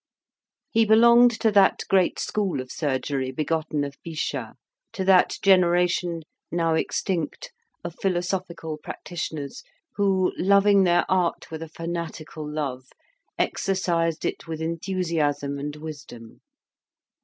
He belonged to that great school of surgery begotten of Bichat, to that generation, now extinct, of philosophical practitioners, who, loving their art with a fanatical love, exercised it with enthusiasm and wisdom.